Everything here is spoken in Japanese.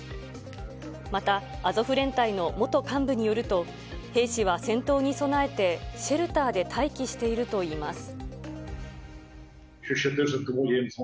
また、アゾフ連隊の元幹部によると、兵士は戦闘に備えて、シェルターで待機しているといいます。